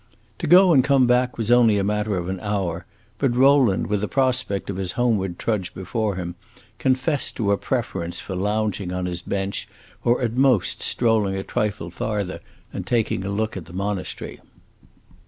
To go and come back was only a matter of an hour, but Rowland, with the prospect of his homeward trudge before him, confessed to a preference for lounging on his bench, or at most strolling a trifle farther and taking a look at the monastery.